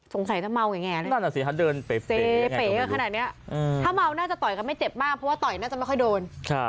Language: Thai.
จะเมาอย่างนั้นนั่นแหละสิฮะเดินเปเป๋กันขนาดนี้ถ้าเมาน่าจะต่อยกันไม่เจ็บมากเพราะว่าต่อยน่าจะไม่ค่อยโดน